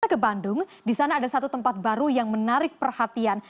ketika kita ke bandung disana ada satu tempat baru yang menarik perhatian